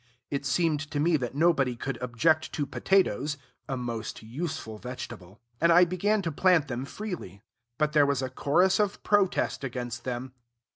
It seemed to me that nobody could object to potatoes (a most useful vegetable); and I began to plant them freely. But there was a chorus of protest against them.